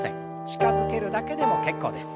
近づけるだけでも結構です。